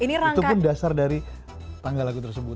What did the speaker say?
itu pun dasar dari tanggal lagu tersebut